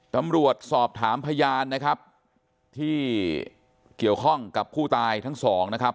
ตำรวจสอบถามพยานนะครับที่เกี่ยวข้องกับผู้ตายทั้งสองนะครับ